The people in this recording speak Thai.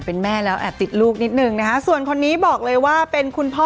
เป็นแม่แล้วแอบติดลูกนิดนึงนะคะส่วนคนนี้บอกเลยว่าเป็นคุณพ่อ